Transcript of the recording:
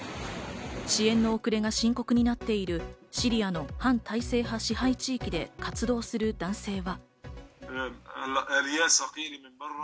支援の遅れが深刻になっているシリアの反体制派支配地域で活動する男性は。